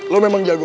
lo memang jago